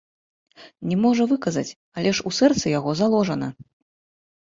Не можа выказаць, але ж у сэрцы яго заложана.